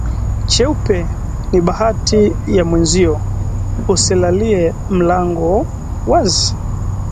Cheupe ni bahati ya mwenzio usiilalie mlango wazi